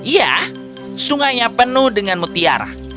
ya sungainya penuh dengan mutiara